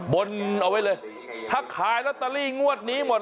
บนเอาไว้เลยถ้าขายลอตเตอรี่งวดนี้หมด